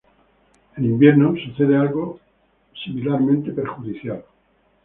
En invierno sucede algo similarmente perjudicial.